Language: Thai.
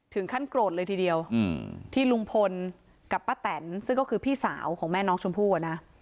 ขั้นโกรธเลยทีเดียวที่ลุงพลกับป้าแตนซึ่งก็คือพี่สาวของแม่น้องชมพู่อ่ะนะ